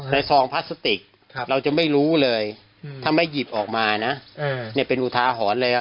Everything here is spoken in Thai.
ซองพลาสติกเราจะไม่รู้เลยถ้าไม่หยิบออกมานะเป็นอุทาหรณ์เลย